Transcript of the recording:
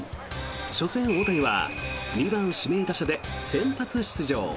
初戦、大谷は２番指名打者で先発出場。